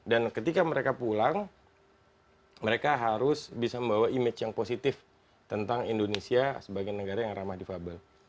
dan ketika mereka pulang mereka harus bisa membawa image yang positif tentang indonesia sebagai negara yang ramah di fabel